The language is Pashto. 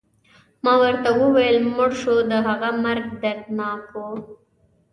ما ورته وویل: مړ شو، د هغه مرګ دردناک و.